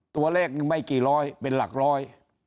ตัวเลขไม่กี่ร้อยเป็นหลักร้อย